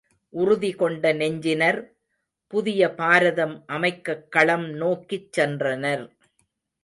உறுதி கொண்ட நெஞ்சினர் புதிய பாரதம் அமைக்கக் களம் நோக்கிச் சென்றனர்.